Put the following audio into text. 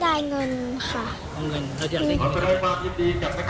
ได้เงินค่ะ